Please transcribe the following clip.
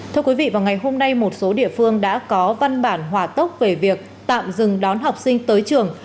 thưa quý vị vào ngày hôm nay một số địa phương đã có văn bản hòa tốc về việc tạm dừng đón học sinh tới trường